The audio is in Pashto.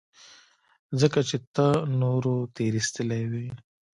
ځکه چې ته نورو تېرايستلى وې.